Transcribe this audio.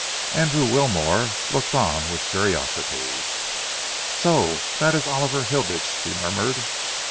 Andrew Wilmore looked on with curiosity. "So that is Oliver Hilditch," he murmured.